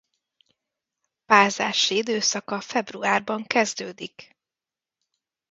Párzási időszaka februárban kezdődik.